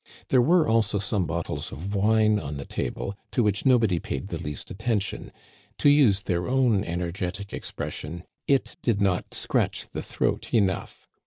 There were also some bottles of wine on the table, to which nobody paid the least attention ; to use their own energetic expression, it did not "scratch the throat enough.